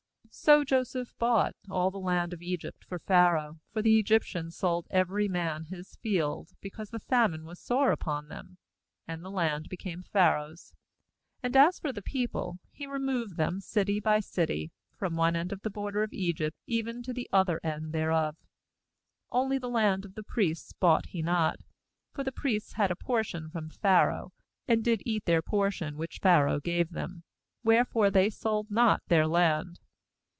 20So Joseph bought all the land of Egypt for Pha raoh; for the Egyptians sold every man his field, because the famine was sore upon them; and the land became Pharaoh's. 21And as for the people, he removed them city by city, from one end of the border of Egypt even to the other end thereof. ^Only the land of the priests bought he not, for the priests had a portion from Pharaoh, and did eat their portion which Pharaoh gave them; wherefore they sold not their land.